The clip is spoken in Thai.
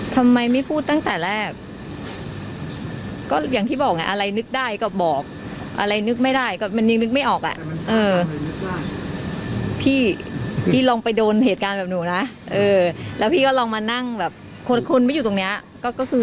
ทำไมไม่พูดตั้งแต่แรกก็อย่างที่บอกไงอะไรนึกได้ก็บอกอะไรนึกไม่ได้ก็มันยังนึกไม่ออกอ่ะพี่พี่ลองไปโดนเหตุการณ์แบบหนูนะเออแล้วพี่ก็ลองมานั่งแบบ